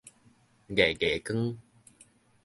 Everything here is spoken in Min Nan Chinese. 月月光